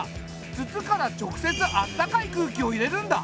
筒から直接あったかい空気を入れるんだ。